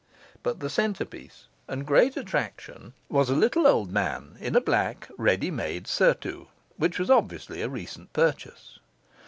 But the centre piece and great attraction was a little old man, in a black, ready made surtout, which was obviously a recent purchase.